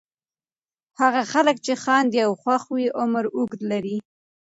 هغه خلک چې خاندي او خوښ وي عمر اوږد لري.